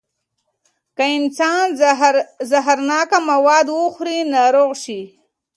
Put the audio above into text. که انسان زهرناکه مواد وخوري، ناروغ شي.